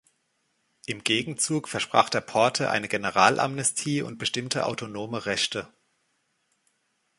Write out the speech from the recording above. Im Gegenzug versprach der Porte eine Generalamnestie und bestimmte autonome Rechte.